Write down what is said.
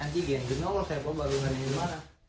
gini saya bawa barungannya kemana